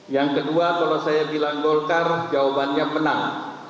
yang kedua kalau saya bilang golkar jawabannya menang